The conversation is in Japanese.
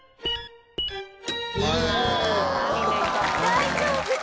大丈夫！